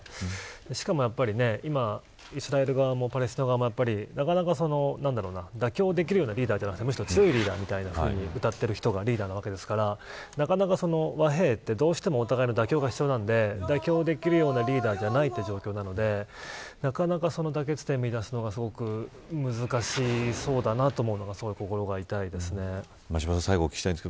しかもイスラエル側もパレスチナ側もなかなか妥協できるようなリーダーじゃなくて強いリーダーというふうにうたっている人がリーダーですからなかなか和平ってお互いの妥協が必要なので妥協できるようなリーダーじゃないという状況なのでなかなか妥結点を見いだすのはすごく難しそうだなと思います。